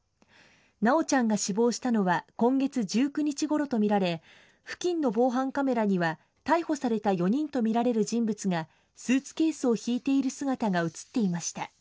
修ちゃんが死亡したのは今月１９日ごろとみられ付近の防犯カメラには逮捕された４人とみられる人物がスーツケースを引いている姿が映っていました。